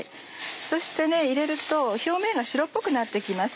そして入れると表面が白っぽくなって来ます。